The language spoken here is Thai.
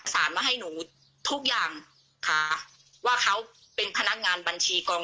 มาให้หนูทุกอย่างค่ะว่าเขาเป็นพนักงานบัญชีกอง